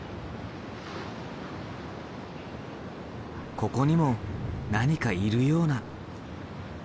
ここにも何かいるような。